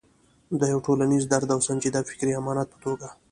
د یو ټولنیز درد او سنجیده فکري امانت په توګه.